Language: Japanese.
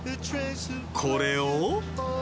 これを。